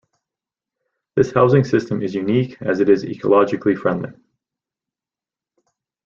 This housing system is unique as it is ecologically friendly.